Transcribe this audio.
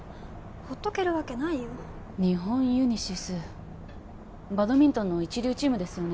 ほっとけるわけないよ日本ユニシスバドミントンの一流チームですよね